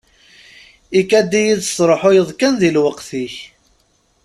Ikad-iyi-d tesruḥayeḍ kan di lweqt-ik.